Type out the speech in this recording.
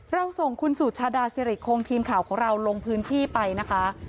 เราส่งคุณสุชาดาสิริคงทีมข่าวของเราลงพื้นที่ไปนะคะ